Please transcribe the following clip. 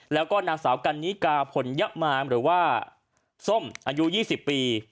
แล้วก็นางสาวกันนิกาผลยะมาหรือว่าส้มอายุ๒๐ปี